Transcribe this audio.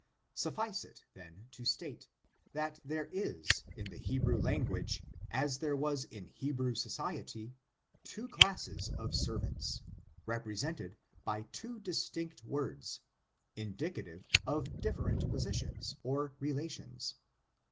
^^hi^^^^«^^^«^ } I fil6 (TBicrmuES Suffice k, then, to state, that there ia, io the H^rew^ language, as there was in Hehrew society, two classes of servants, represented by two distinct words, indicativa of different positions, or relations.